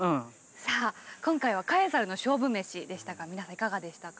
さあ今回はカエサルの勝負メシでしたが皆さんいかがでしたか？